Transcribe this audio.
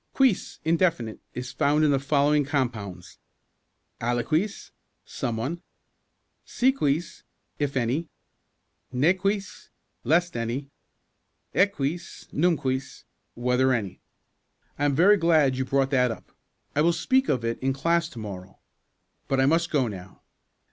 "Quis indefinite is found in the following compounds: aliquis someone; si quis, if any; ne quis, lest any; ecquis, num quis, whether any. I am very glad you brought that up. I will speak of it in class to morrow. But I must go now."